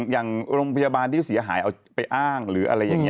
อย่างโรงพยาบาลที่เสียหายเอาไปอ้างหรืออะไรอย่างนี้